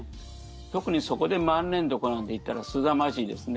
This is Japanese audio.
特にそこで万年床なんていったらすさまじいですね。